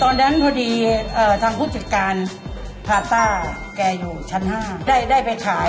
ตอนนั้นพอดีทางผู้จัดการพาต้าแกอยู่ชั้น๕ได้ไปขาย